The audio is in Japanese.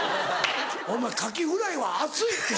お前カキフライは熱いって。